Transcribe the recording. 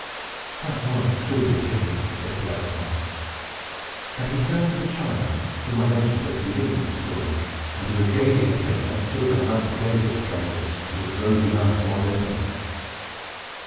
"That was truly a pity!" said Bellerophon. And he turned to the child, whom I mentioned at the beginning of the story, and who was gazing at him, as children are apt to gaze at strangers, with his rosy mouth wide open.